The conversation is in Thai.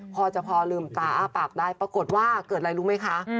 พอจะพอลืมตาอ้าปากได้ปรากฏว่าเกิดอะไรรู้ไหมคะ